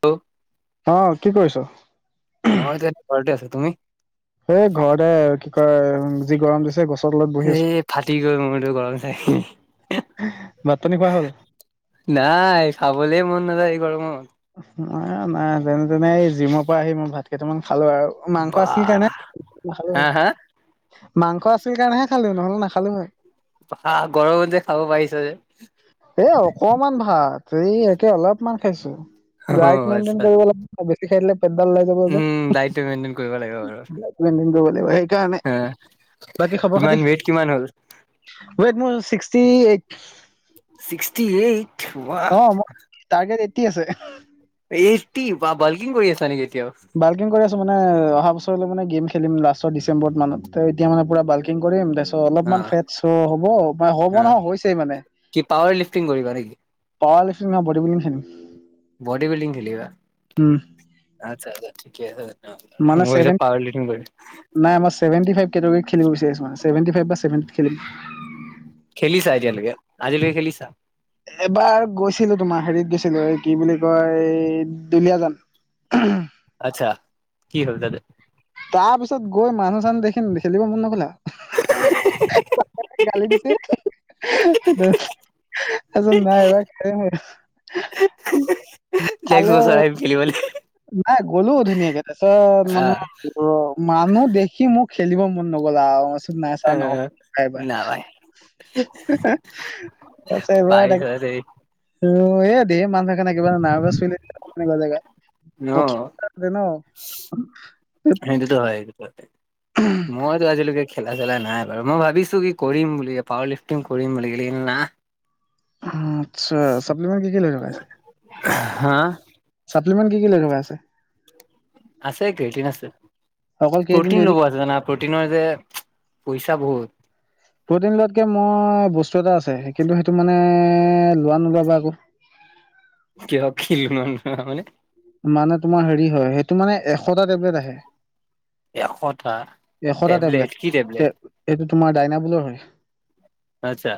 Hello. অ', কি কৰিছ? মই এতিয়া ঘৰতে আছো তুমি? সে ঘৰতে কি কয় যি গৰম দিছে গছ এ ফাটি গ'ল মোৰটো গৰম চাই,। ভাত পানী খোৱা হ'ল নাই খাবলৈ মন নাযায় এই গৰমত। নাই নাই তেনে তেনে এই জিমৰ পৰা আহি মই ভাত কেইটামান। খালো আৰু মাংস বা আছিল কাৰণে ভাল হা হা মাংস আছিল কাৰণে। খালো নহ'লে নাখালো হয়। বা গৰমত যে খাব পাৰিছ যে এ অকমান ভাত, এই একে অলপমান বেছি খাইছো, অ দাইট মেইনটেইন আচ্ছা কৰিব লাগিব বেছি খাই দিলে। পেটডালওলাই যাব যে উম [unintelligible] ডাইটটো মেইনটেইন কৰিব লাগিব বাৰু কৰিব লাগিব সেইকাৰণে। হা বাকী খবৰ কিমান খাতি ৱেইট কিমান হ'ল ওৱেট মোৰ ছিক্সটি এইট। ছিক্সটি এইট বা। তি আছে। এফটি বা বাল্কিং কৰি আছা নেকি! এতিয়াও বাল্কিং কৰি আছো মানে অহা বছৰলৈ মানে গেম খ খেলিম লাষ্টৰ ডিচেম্বৰ মানত এতিয়া মানে পোৰা বাল্কিং কৰিম তাৰপাছত অ অলপমান ফেট চ হ'ব ম হ'ব অ নহয় হৈছেই মানে। কি পাৱাৰ লিফটিং কৰিবা নেকি পাৱাৰ লিফটিং নহয় body building lifting. Body building খেলিবা আচ্ছা আচ্ছা ঠিকে আছে। মানে মই ভাবিছো ছেভেন পাৱাৰ লিটিং কৰিব। নাই মই ছেভেনটি ফাইভ কেটাগিৰীত খেলিব বিচাৰিছো নাই মই ছেভেনটি ফাইভ বা ছেভেন কিয় খেলিম। খেলিছা এতিয়ালৈকে আজিলৈকে খেলিছা? এবাৰ গৈছিলো তোমাৰ হেৰিত গৈছিলো এই কি বুলি কয় দুলিয়াজান। উম। আচ্ছা, কি হ'ল তাতে। তাৰ পিছত গৈ মানুহ চানুহ দেখি খেলিব মন নগলে। গালি দিছে সেটো। আচোন [unintelligible] নেক্সট বছৰ আহিম খেলিবলৈ। নাই গ'লো ধুনীয়াকে, তাৰ পিছত মানে আহ মানুহ দেখি মোক। খেলিব মন নগ'ল আৰুচোন নাই চাৰ নহ'ব আহ বাই নাপাই বাই। কৈছে পাৰিছত এই অ' এ টো ধেই মানুহথাকে খেটোকাৰণে কিবা নাৰ্ভাছ তেনেকুৱা জেগাত। ন প্ৰথম বাৰতে ন সেইটোতো হয় সেইটোত। মইতো আজিলৈকে খেলা চেলা নাই বাৰু মই ভাবিছো কি কৰিম বুলি পাৱাৰ লিফ্টিং কৰিম বুলি কি কিন্তু না। আচ্ছা চাপ্লিমেণ্ট কি কি লৈ লগাইছিলা। হা চপলিমেণ্ট কি কি লগোৱা আছে। আছে ক্ৰটিন আছে অকল কেইদিনটো প্ৰটিন এনে ল'ব আছে জানা। প্ৰ'টিনৰ যে পইচা বহুত। প্ৰ'টিন লোৱাতকে মই বস্তু এটা আছে, কিন্তু সেইটো মানে। লোৱা নোলাব আকৌ। কিয় খিল মান মানে। মানে তোমাৰ হেৰি হয় সেটো মানে এশটা টেবলেট আহে। এশটা এশটা টেবলেট কি টেবলেট এইটো তোমাৰ ডাইনাবুলৰ হয়। আচ্ছা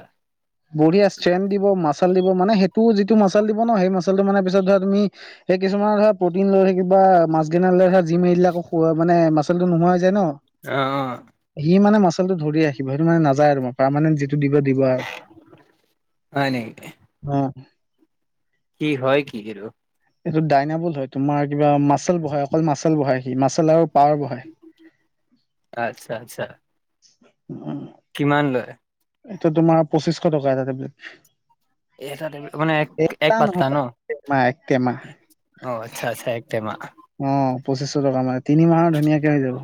বঢ়িয়া ষ্ট্ৰেন দিব মাচাল দিব মানে সেই টো যিটো মাচাল দিব ন সেই মচালটো মানে পিছত ধৰা তুমি। কিছুমানৰ ধৰা প্ৰ'টিন লৈ থাকিবা মাছগেনা লৈ ধৰা জিম এৰি দিলে মানে মাচলটো নোহোৱা যায় ন। আহ, সি আহ। মানে ধৰি আহিব সেইটো মানে নাযায় আৰু প্ৰৰমেণ্ট। দিব দিবা অ'। হয় নেকি কি হয় কি এইটো। এইটো ডাইনাবুল হয় তোমাৰ কিবা মাচল বহাই অকল মাচেল বহাই সি মাচেল আৰু পাৱাৰ বঢ়াই আচ্ছা আচ্ছা। উম, কিমান লয়? এইটো তোমাৰ পঁচিছশ টকা এটা টেবলেট। এটা টেবলেট, মানে এক এক এটা পাত্তা নহয় ন'। মাহ এক টেমাহ অ', আচ্ছা আচ্ছা একটেমা। অ', পঁচিছশ টকা মানে তিনি মাহৰ ধুনীয়াকে হৈ যাব।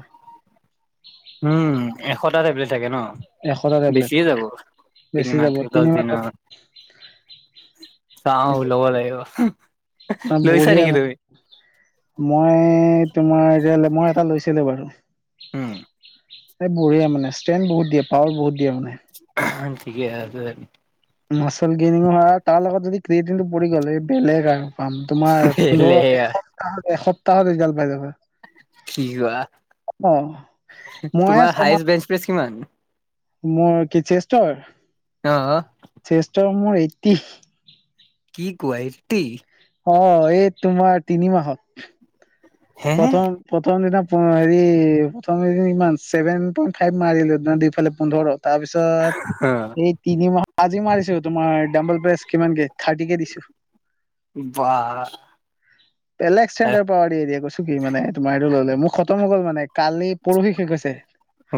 উম, এশটা টেবলেট থাকে ন? এশটা টেবলেট বেছিয়ে যাব তিনি বেছি মাহত যাব কে দশ তিনিমাহ দিনৰ চাও লব লাগিব। অ', লৈছা বঢ়িয়া নেকি তুমি মানে মই তোমাৰ এতিয়া মই এটা লৈছো লৈছিলো বাৰু উম এই বঢ়িয়া মানে ষ্ট্ৰেং বহুত দিয়ে পাৱাৰ বহুত দিয়ে মানে। ঠিকে আছে। মাচল গেইনিং হয় তাৰ লগত যদি ক্ৰিয়েটিংটো পৰি গ'ল বেলেগ আৰু। পাম তোমাৰ পোন্ধৰ লেয়া এসপ্তাহ এসপ্তাহত ৰিজাল্ট পাই যাবা। কি কোৱা অ মই তোমাৰ ছমাহ হায়ষ্ট বেঞ্চ প্ৰেছ কিমান? মোৰ কি চেষ্টৰ? অ', চেষ্টৰ মোৰ এইতটি। কি কোৱা এইতটি। অ', এই তোমাৰ তিনি মাহত। হে প্ৰথম -প্ৰথম দিনা হেৰি প্ৰথম কেইদিনমান ছেভেন পইন্ট ফাইভ মাৰিলো দুইফালে পোন্ধৰ তাৰপিছত অ এই তিনি মাহ আজি মাৰিছো তোমাৰ ডাম্বল প্ৰেছ কিমানকে থাৰ্টি কে দিছো। বাহ। বেলেগ চেঞ্জৰ পাৱাৰ দিদিয়ে কৈছোঁ কি মানে তোমাৰ সেইটো ল'লে মোৰ খতম হৈ গল মানে কালি পৰহি শেষ হৈছে।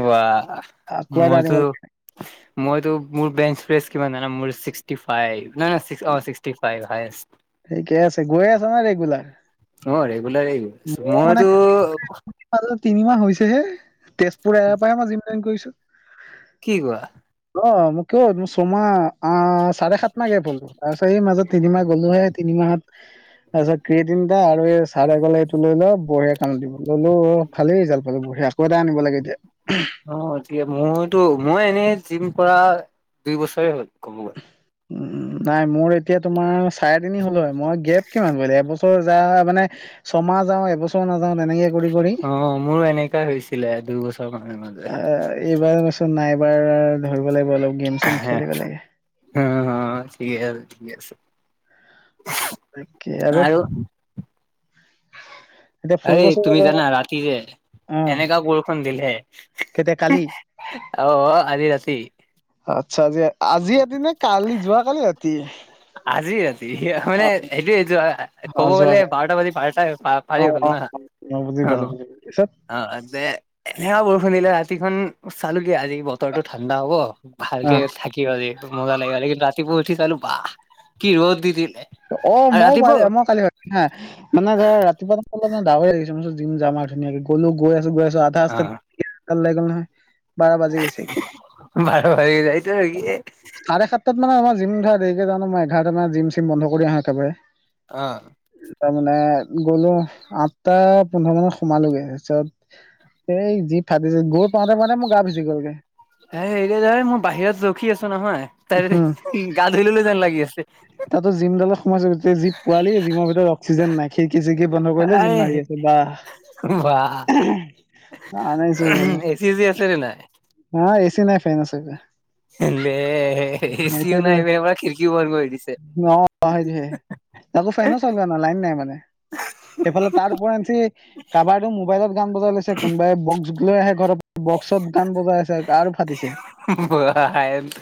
বাহ আকৌ এটা আনিব মইতো- লাগে মইতো মোৰ বেঞ্চ প্ৰেছ কিমান জানা মোৰ ছিক্সটি ফাইভ নহয় নহয় অ', ছিক্সটি ফাইভ হাইয়েষ্ট। ঠিকে আছে গৈ আছা ন' ৰেগুলাৰ? অ', ৰেগুলাৰে গৈ আছো মোৰ মানে মইতো তিনিমাহ হৈছে হে তেজপুৰ এৰাৰ পৰাই মই জিম জইন কৰিছো। কি কোৱা? অ', মোক কিয় মোৰ চমাহ আ, চাৰে সাত মাহ গেপ হ'লতো তাৰপিছ মাজত তিনিমাহ গ'লোহে তিনি মাহত তাৰপিছত কেই তিনটা আৰু এই চাৰে গলে এইটো লৈ ল' বঢ়িয়া কামত দিব ল'লো ভালেই ৰিজাল্ট পালো বঢ়ীয়া আকৌ এটা আনিব লাগে এতিয়া। অ', মইতো মই এনেই জিম কৰা দুই বছৰে হ'ল। [unintelligible] উম, নাই মোৰ এতিয়া তোমাৰ চাৰে তিনি হ'ল মই গেপ কিমান গল এব বছৰ যা মানে ছমাহ যাওঁ এবছৰ নাযা অ', মোৰো এনেকা হৈছিলে দুইবছৰ অ', এইবাৰচোন নাই এইবাৰ ধৰিব লাগিব অলপ গেম চেম খেলিব লাগে। অ অ', ঠিকে আছে, ঠিক আছে। একেই আৰু এতিয়া আৰে ফুৰিব চুৰিব তুমি যোৱা জানা নাই? ৰাতি যে অহ, এনেকা বৰখুন দিলে কেতিয়া অ, কালি? অ, আজি ৰাতি আচ্ছা আজি -আজি ৰাতি নে কালি যোৱা কালি ৰাতি? হয় নে অ', সেইটোয়ে ক'ব অ', যোৱা গ'লে কালি বাৰটা বাজি পাৰ চাৰ পাৰে অ', হল অ', না। অ', বুজি পালোঁ। অ ', এ শুনিলে ৰাতিখনন চালোগে আজি বতৰটো ঠাণ্ডা হব ভালকে অ', থাক মজা লাগিব কিু ৰাতিপুৱা উঠি চালো বাাহ কি ৰত দি দিল অ', মইও পাৰি মই কালি ভাবো হা মানে ধ ৰাতিপুৱা পাৰ ডাাৱৰে লাগিছেিম যাম আৰু ধুনীয়াকে গ'লো গৈ আছো গৈ আছো আধা ৰাস্তা অ', লাগ গল নহয় বাৰ বাজি গৈছে কি বাৰ বাজি যায় এইটো চাৰে সাতটা মানে আমাৰ জিম ধ দেৰিে জা ন মই এঘাৰটা মান জিম চিম বন্ধ আহো একেবাৰে অ', তাৰ মানে গ'লো আঠটা পোন্ধৰ মানত সোমালোগৈ তাৰপিছত এই যি ফাটিছে গুৰ পাওঁতে মাে মই গা পুছি গলকে এ -এ -ধ মই বাহিৰত ৰখি আছো নহয় তাই উম গা ধুললৈ যেন লাগি আছে তাতো জিমডালৰ সময়ছা গ জি পোৱালি জিমৰ ভিতৰত অ্িেন নাই খি- খি -চি বন্ধ কৰিলে জিম আই মাৰি আছে বাহ বাাহ ন নছো ব এচি চেচি আছে নে নাই হা এ চি নাই ফেন আছোগ এচিও নাই ব খিৰিকীও বধ কৰি দিছে অ ', সেইটোহে তো ফাইন চলো ন লাইন নাই মানে সেইফালে তাৰ ও আঞ্চি কাৰোবাৰো মোবাইলত গান বজাই লৈছে কোনোবাই বক্স লৈ আহে ঘৰৰ বক্সত গান বজাই আছে আৰু ফাটিছে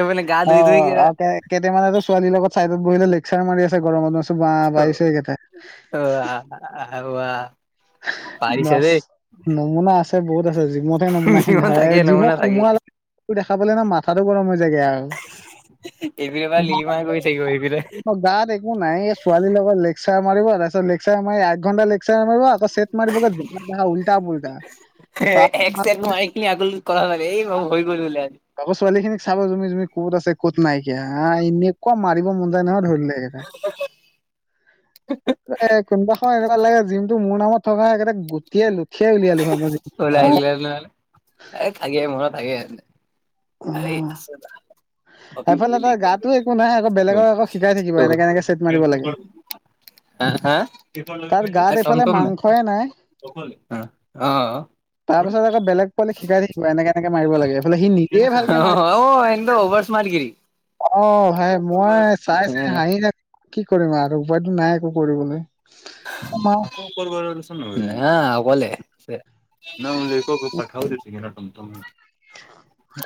মানে গা অ ধুই ধুই কিনে আৰু কেইটামানো ছোৱালীৰ লগত ছাইডত বহিলে লেকচাৰ মাৰি আছে গৰমত ব বাইছে এই কথা বাহ বাহ পাৰিছে বাছ দেই নমুনা আছে বহুত আছে জিমতেে নমুনাখিনিা লিলিমা হয় থাকে জিমক নমুনা থাকে সোমোৱাাল দেখ পালে না মাথাাতটো গৰম হৈ জাগ আৰু এইপিনে পৰা লিলিমা কৰি থাকিব এইপিনে গাত একো নাই ছোৱালীৰ লগত লেকচাৰ মাৰিব তাৰপিছত লেকসাৰ মাৰ এক ঘন্টা লেকচাৰ মাৰিব আকৌ চেট মাৰিবখা উল্টা উল্টা এক চেট মাৰি কিনি আকৌ কথা থাকে এই হৈ গ'ল বোলে আজি আাকৰ ছোৱালী খিনিক চাব জুমি জুমি ক'ত আছে ক'ত নাইকিয়া হ এনেকুৱা মাৰিব মন যায় নহয় ধৰি কোনোবাখন এনেুৱা লে জিমটো ম থকা একেটা গুটেইে লুট ওলাই আহছিলে নহলে এই থাকে মন থাকে হ আ এেইফালে তাৰ গাতো একো নাই আকৌ বেলেগক আকৌ শিকাই থাকিব এনেকে এনেকে চেট মাৰিব লাগে তাৰ গাত এইফালে কমটম নে মাংসই নাই অ', তাৰ পিছত আৌ বেলেগ পালি শিকাই থাকিব এনেক এনেকে মিব লাগে এইফালেি নি অ ', [unintelligible] অ', ে মই চাই চাই হাঁহি থা কি কৰিমা আৰু উপায় দিন নাই একো কৰিবলৈ চাম আৰু কলে- লিক আৰু ন লিকি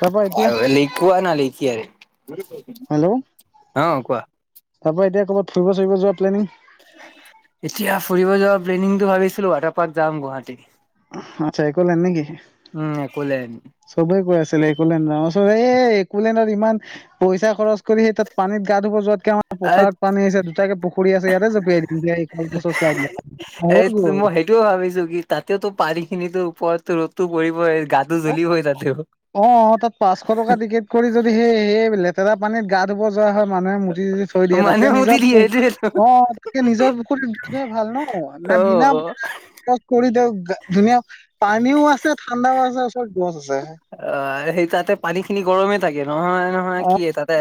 তাৰপা এতিয়া অ ', কোৱা তাৰ পৰাা এতিয়া ক'বাত ফৰিব ফুৰি যোৱা প্লেনিং এতিয়া ফুৰিব যোৱাৰ প্লেনিংটো ভাবিছিলো ৱাটাৰ পাৰ্ক যাম গুৱাহাটী- আচ্ছা এই কৰিললে নেকি? উম একলেণ্ড চবেই কৈ আছিলে একলেণ্ড ওচ একলেণ্ডত ইমান পইচা খৰচ কৰি সেই তাত পানীত গা ধুব যোৱাতকে আাৰ এ পথাৰত পানী আছে দুটাকে পুখী আছে ইয়াতে জপিয়াই এই গছ এই মই সেইটোও ভাবিছো কি তাতেতো পানী খিনি পটো ৰতু পৰি অ', অ', অ ', তাত পাঁচশ টকা টিকেট কৰি যদি সেই সেই সা পানীত গ ধুব োৱা হয় মানুহে মি থৈ দিয়ে তাতে মানুহ মুতি নিজৰ পু দিয়ে সেইটোৱেটো অ তাতকে নিজৰ পুখুৰত বি ধোৱা ভাল ন ন অ বিনা অ কৰি দিওঁক। ধুনীয়া পানীও আছে, ঠাণ্ডাও আছে, ওচৰত গছ আছে। অ' সেই তাতে পানী খিনি গৰমে থাকে নহয় নহয় অ কি তাতে।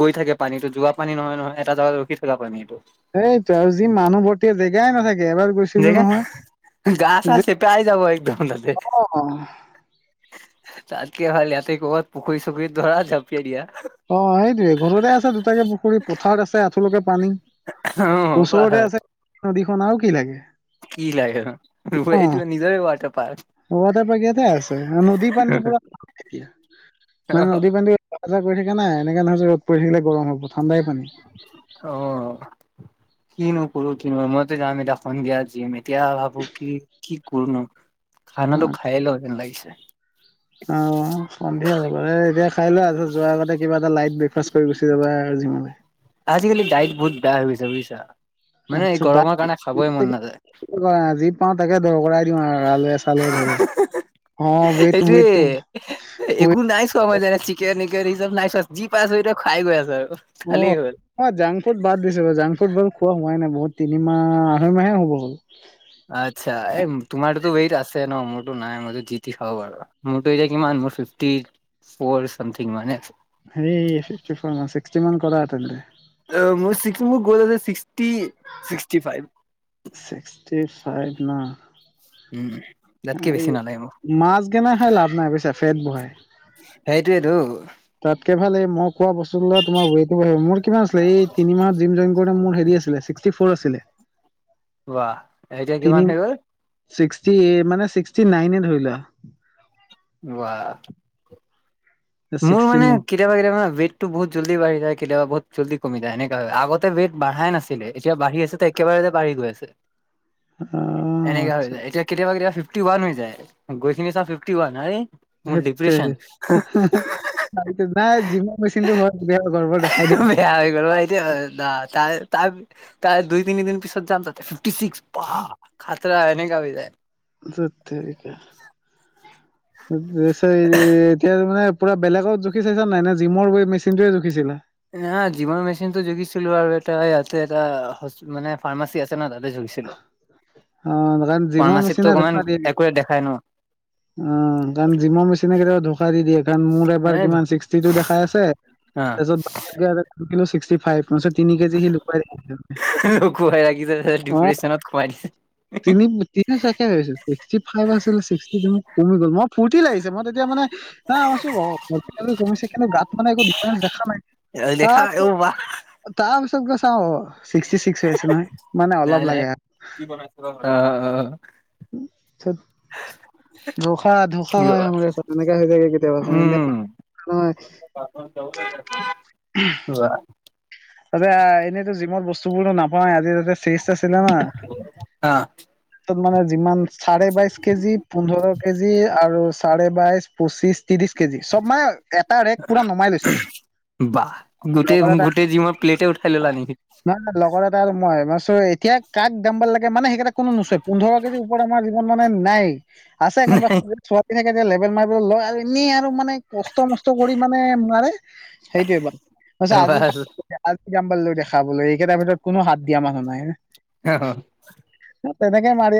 গৈ থাকে পানীতো যোৱা পানী নহয় নহয় এটা জাগাত ৰখি থকা পানী এইটো। সেইটো আৰু যি মানুহ ভৰ্তি জেগাই নাথাকে। এবাৰ গৈছিলো জেগা নহয় গা ছা যে ছে পাই যাব। [unintelligible] অ তাতকে ভাল ইয়াঁতে ক'ৰবাত পুখুৰী চুখুৰীত ধৰা জাপিয়ে দিয়া। অ' সেইটোয়ে ঘৰতে আছে দুটাকে পুখুৰী পথাৰত আছে আঁঠুলকে পানী। অহ ওচৰতে পাহাৰ আছে নদীখন আৰু কি লাগে। কি লাগে এইটো নিজৰে বাৰ্তা। ৱটাৰ পকিয়তে আছে নদীৰ পানীতটো পোৰা এতিয়া। মানে নদীৰ পানীত য কৰি থাকা নাই এনেকাে নহয় যে ৰ'দ পৰি থাকিলে গৰম হ'ব ঠাণ্ডাই পানী। অ' কিনো কৰুৰো কিনো মইতে যাম এতিয়া সন্ধিয়া জিম মে। এতিয়া ভাবো কি কি কৰোনো অ খানাটো খাই লওঁ যেন লাগিছে। অ' সন্ধিয়া যাবা এ এতিয়া খাই লোৱা। আ যোৱাৰ আগতে কিবা এটা লাইট ব্ৰেকফাষ্ট কৰি গুচি যাবা। জিম লে। আজিকালি ডাইট বহুত বেয়া হৈ গৈছে বুজিছা। মানে এই আচ্ছা, গৰমৰ কাৰণে খাবই মন নাযায় যি পাওঁ তাকে দৰ কৰা দিওঁ। দি আৰু আলুৱে চালুৱে ধৰি। অ ৱেইট এইটোৱে ৱেইট ৱেইট একো নাই চোৱা মানে চিকেন। [unintelligible] চোৱা যি পাইছো এতিয়া খাই গৈ আছো আৰু। খালেই অ' হ'ল মই জাংক ফুড বাদ দিছো, জাংক ফুড ভাল খোৱা হোৱাই নাই। মোৰ তিনিমাহ আঢ়ৈ মাহে হ'ব হ'ল। আচ্ছা, এ তোমাৰোতো ত আছে ন মোৰতো নাই মইতো জি তি খাব পাৰু। মোৰতো এতিয়া কিমান মোৰ ফিফটিফৌৰ চামঠিঙ মানে আছে। সেই ফিফটিফৌৰ মান ছিক্সটি মান কৰা তেন্তে। মোৰ [unintelligible] ছিক্সটি ফাইভ। যি চাই না। উম তাতকে এই বেছি নালাগে মোক মাছগেনাৰ খাই লাভ নাই বুজিছা ফেট বহাই। সেইটোৱেইটো। তাতকে এই ভালে মোভ খোৱা বস্তুবিলাক তোমাৰ ৱটো বাঢ়িব মোৰ কিমান আছিলে এই তিমাহ জিম জইন কৰোতে মোৰ হেৰি আ ছিলে ছিকছষ্টিফ্ৰৰ আছিলে। ৱাহ এতিয়া কিমান হৈ গ'ল? ছিক্সষ্টিএইট মানে ছিক্সষ্টি নাইনে ধৰি লোৱা। ৱাহ। মোৰ ছিক্সটি মানে নাইন কেতিয়াব কেতিয়াবা ৱেটতো বহুত জলদি বাঢ়ি যায়, কেতিয়াবা বহুত জলদি কমি যায়, এনেকা‌ হয়, আগতে ৱেট বাঢ়াই নাছিলে, এতিয়া বাঢ়ি আছে, একেবাৰতে বাঢ়ি গৈ আছে। অ', এনেকাে হৈ আচ্ছা যায়, এতিয়া কেতিয়াবা কেতিয়াবা ফিফটি ওৱান হৈ যায়, গৈ কিনে চাওঁ ফিফটি ওৱান আৰে মোৰ ধেত ডিপ্ৰেছন। তেৰি [unintelligible] নাই যিমাৰ মেচিনন্তটো লয় কেতিয়াবা গৰ্বৰ দেখাই দিয়ে। বেয়া হৈ গ'ল বা এতিয়া তাৰ তাৰ তাৰ দুই তিনি দিন পিছত যাম, তাতে ফিফটি ছিক্সছ বা খাতৰা এনেকা হৈ যায়। ধেট টেৰিকা ৰেচাই এৰি এতিয়া মানে বেলেগত জুখি চাইছ নে নাই জিমৰ ৱাইট মেচিনটোৱে জুখিছিলে? না জিমৰ মেচিন টো জুখিছিলো আৰু এ ইয়াতে এটা মানে ফাৰ্মাচী আছে ন তাতে জুখি হৈছে ন। অ' কাৰণ জিমৰ মেচিনে ধোখা দিয়ে একোৱে দেখাই ন কেতিয়াবা। অ'কাৰণ জিমৰ মেচিনে কেতিয়াবা ধোখা দি দিয়ে। মোৰ এবাৰ কিমান ছিক্সটি টু দেখাই আছে অ [unintelligible] ছিক্সটিফাইভ মই তিনি কেজি সি লুকুৱাই ৰাখিছে খুৱাই ৰাখিছে অ'। ডিপ্ৰেশচনত খুৱাই দিছে তিনি-তিনি তাকে ভাবিছোঁ ছিক্সটি ফাইভ আ চিলোঁ [unintelligible] মোৰ ফূৰ্তি লাগিছে মই তেতিয়া মানে নিছে কিন্তু তাত মানে একো ডিফাৰেন্ঞ্চ দেখা নাই দেখা তাৰ অ পিছত বাহ তাৰ পিছত চব গৈ চাও ছিক্সটি চিক্স হৈ আছে নহয় মানে নাই অলপ নাই লাগে আৰু। কি বনাইছে অ', উ অ'। [unintelligible] ধোষা ধোষা কি হয় এনেকে হৈ যায়ে কেতিয়াবা এনে নহয় ৱাহ। তাতে এনেইতো জিমত বস্তু বোৰো নাপায় আজি চাস্ত আছিলে না অ তত মানে যিমান চাৰে বাইশ কেজি পোন্ধৰ কেজি আৰু চাৰে বাইশ পঁচিছ শ কেজি চব মানে এটা ৰেট পুৰা নমাই লৈছো বাহ গোটেই লগৰ এটা গোটেই জিমৰ প্লেটে উঠাই ললা নেকি নাই ন লগৰ এটা আৰু মই ম ত এতিয়া কাক দামবাৰ লাগে মানে সেইকেইটা কোনো নোচয় পোন্ধৰ কেজিৰ ওপৰত আমাৰ জিমত মানে নাই। আছে কোনোবা ছোৱালী থাকে তেতিয়া লেবেল মাৰিব লয় আৰু এনেই মানে কষ্ট মষ্ট কৰি মানে নোৱাৰে সেইটোৱে বাৰু আজি বাহ ডাম্বেল লৈ দেখাবোলো এইকেইট ভিতৰত কোনো হাতি দিয়া মানুহ নাই। আহ। তেনেক মাৰি আছে